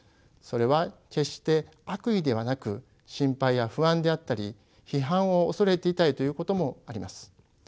それは決して悪意ではなく心配や不安であったり批判を恐れていたりということもあります。